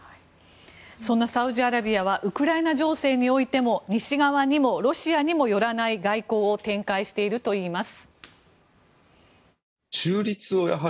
そんなサウジアラビアはウクライナ情勢においても西側にもロシアにも寄らない外交を展開しているといいます。